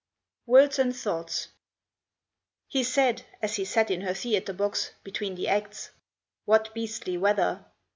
WORDS AND THOUGHTS He said as he sat in her theatre box Between the acts, "What beastly weather!